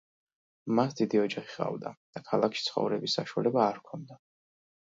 მას დიდი ოჯახი ჰყავდა და ქალაქში ცხოვრების საშუალება არ ჰქონდა.